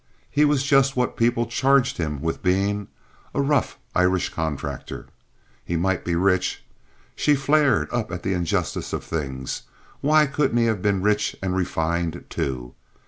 He was just what people charged him with being, a rough Irish contractor. He might be rich. She flared up at the injustice of things—why couldn't he have been rich and refined, too?